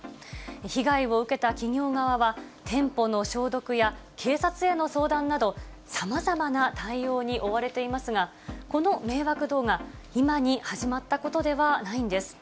被害を受けた企業側は、店舗の消毒や、警察への相談など、さまざまな対応に追われていますが、この迷惑動画、今に始まったことではないんです。